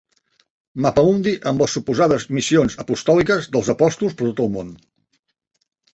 Mapamundi amb les suposades missions apostòliques dels apòstols per tot el món.